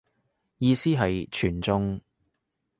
意思係全中